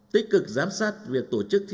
tích cực giám sát việc tổ chức